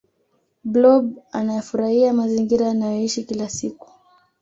blob anayafuraia mazingira anayoishi kila siku